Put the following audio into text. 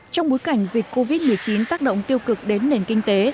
trong bối cảnh dịch covid một mươi chín tác động tiêu cực đến nền kinh tế